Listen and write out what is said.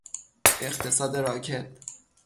اقتصاد راکد